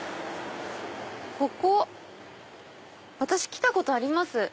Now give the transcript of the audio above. ここ私来たことあります。